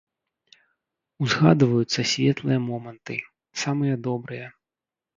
Узгадваюцца светлыя моманты, самыя добрыя.